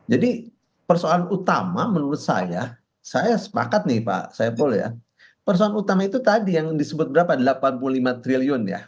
jadi persoalan utama menurut saya saya sepakat nih pak saiful ya persoalan utama itu tadi yang disebut berapa delapan puluh lima triliun ya